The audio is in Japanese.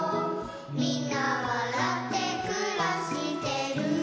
「みんなわらってくらしてる」